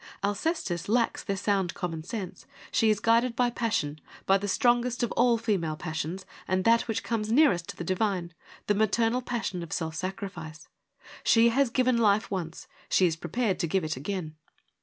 Alcestis lacks their sound common sense ; she is guided by passion, by the strongest of all female passions and that which comes nearest to the divine, the maternal passion of self sacrifice. She has given life once, she is prepared to give it again.